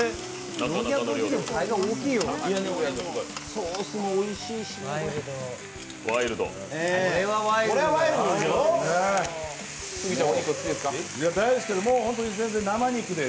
ソースもおいしいしね。